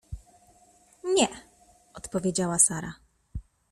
— Nie — odpowiedziała Sara.